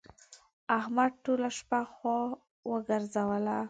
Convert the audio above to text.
احمد ټوله شپه خوا وګرځوله.